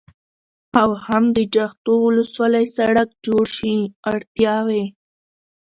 او هم د جغتو ولسوالۍ سړك جوړ شي. اړتياوې: